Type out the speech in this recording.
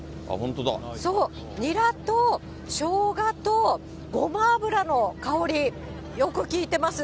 そう、ニラとショウガと、ごま油の香り、よく効いてます。